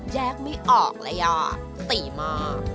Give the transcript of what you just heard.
แยกไม่ออกเลยอ่ะตีมาก